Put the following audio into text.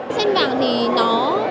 búp sen vàng thì nó